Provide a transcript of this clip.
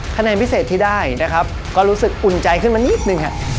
คะแนนพิเศษที่ได้นะครับก็รู้สึกอุ่นใจขึ้นมานิดนึงครับ